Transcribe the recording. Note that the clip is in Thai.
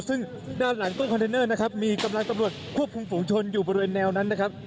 ซึ่งด้านหลังตู้คอนเทนเนอร์นะครับมีกำลังตำรวจควบคุมฝุงชนอยู่บริเวณแนวนั้นนะครับ